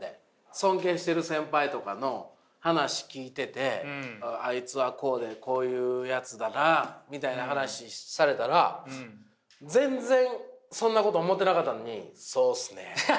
尊敬してる先輩とかの話聞いててあいつはこうでこういうやつだなみたいな話されたら全然そんなこと思ってなかったのにそうっすね。